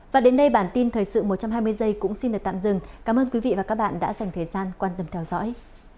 và đến đây bản tin thời sự một trăm hai mươi giây cũng xin được tạm dừng cảm ơn quý vị và các bạn đã dành thời gian quan tâm theo dõi